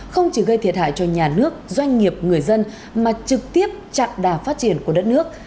không chỉ gây thiệt hại cho nhà nước doanh nghiệp người dân mà trực tiếp chặn đà phát triển của đất nước